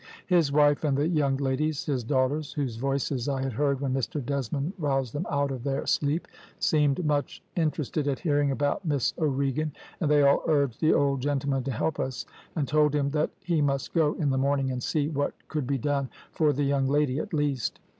His wife and the young ladies, his daughters, whose voices I had heard when Mr Desmond roused them out of their sleep, seemed much interested at hearing about Miss O'Regan, and they all urged the old gentleman to help us, and told him that he must go in the morning and see what could be done for the young lady at least.